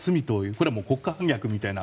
これは国家反逆みたいな。